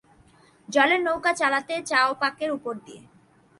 জলের নৌকো চালাতে চাও পাঁকের উপর দিয়ে!